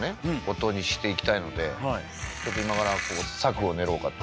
音にしていきたいのでちょっと今から策を練ろうかと。